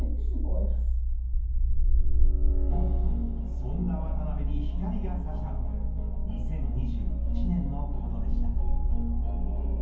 そんな渡辺に光が差したのが２０２１年のことでした。